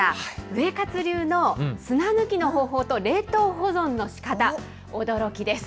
ウエカツ流の砂抜きの方法と冷凍保存のしかた、驚きです。